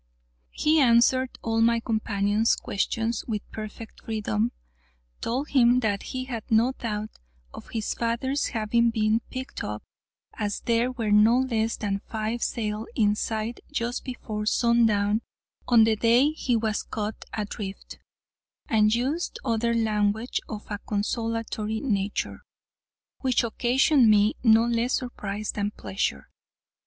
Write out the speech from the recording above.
He answered all my companion's questions with perfect freedom; told him that he had no doubt of his father's having been picked up, as there were no less than five sail in sight just before sundown on the day he was cut adrift; and used other language of a consolatory nature, which occasioned me no less surprise than pleasure.